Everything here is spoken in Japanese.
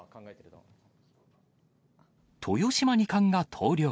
豊島二冠が投了。